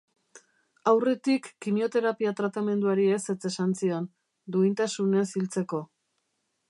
Aurretik kimioterapia tratamenduari ezetz esan zion, duintasunez hiltzeko.